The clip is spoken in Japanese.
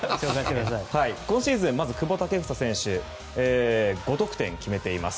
今シーズン、久保建英選手５得点決めています。